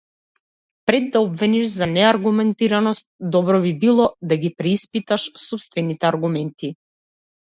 Пред да обвиниш за неаргументираност, добро би било да ги преиспиташ сопствените аргументи.